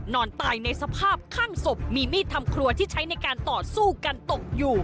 นอนตายในสภาพข้างศพมีมีดทำครัวที่ใช้ในการต่อสู้กันตกอยู่